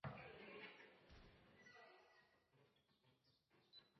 这份特许状将罗切斯特市附近的土地拨让给了贾斯图斯的教堂。